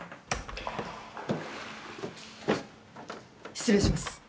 失礼します。